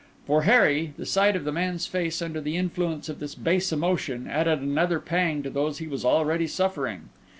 For Harry, the sight of the man's face under the influence of this base emotion, added another pang to those he was already suffering.